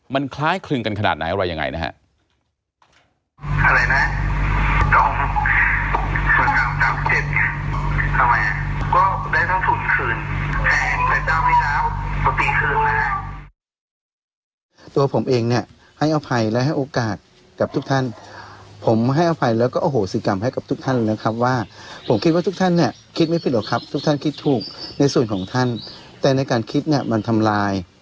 มันคล้ายคลึงกันขนาดไหนอะไรยังไงนะฮะ